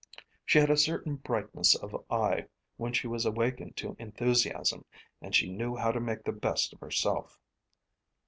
She had a certain brightness of eye when she was awakened to enthusiasm, and she knew how to make the best of herself.